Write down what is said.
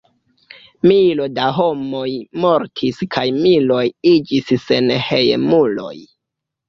Milo da homoj mortis kaj miloj iĝis senhejmuloj.